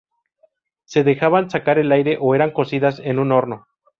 Se dejaban secar al aire o eran cocidas en un horno.